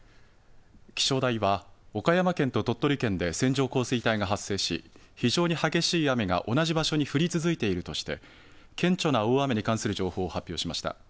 気象台は岡山県と鳥取県で線状降水帯が発生し、非常に激しい雨が同じ場所に降り続いているとして、顕著な大雨に関する情報を発表しました。